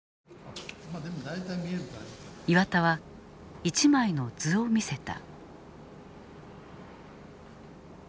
岩田は１枚の図を見せた。